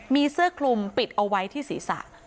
มีเสื้อคลุมปิดเอาไว้ที่ศีรษะ